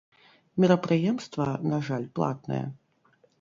Мерапрыемства, на жаль, платнае!